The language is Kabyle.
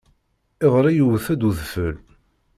Iḍelli yewt-d udfel.